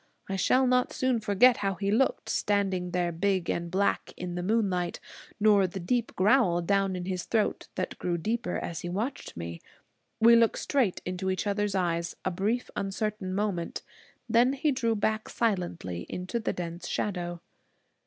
I shall not soon forget how he looked, standing there big and black in the moonlight; nor the growl deep down in his throat, that grew deeper as he watched me. We looked straight into each other's eyes a brief, uncertain moment. Then he drew back silently into the dense shadow.